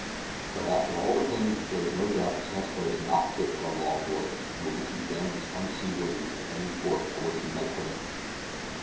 But after all the pains there is no doubt the Chancellor is not fit for a long voyage, and would be condemned as unseaworthy at any port at which we might put in.